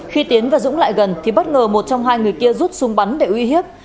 khi tiến và dũng lại gần thì bất ngờ một trong hai người kia rút súng bắn để uy hiếp